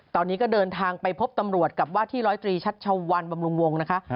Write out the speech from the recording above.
ตอนนี้ก็เดินทางไปพบตำรวจกับว่าที่ร้อยตรีชัชวัลบำรุงวงนะคะ